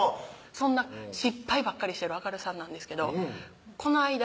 そんな失敗ばっかりしてる亜嘉瑠さんなんですけどこないだ